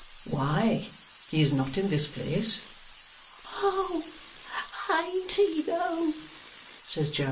"Why, he is not in this place." "Oh, ain't he though?" says Jo.